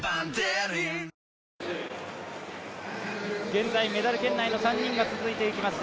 現在、メダル圏内の３人が続いていきます。